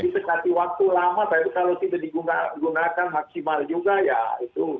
kita kasih waktu lama tapi kalau kita digunakan maksimal juga ya itu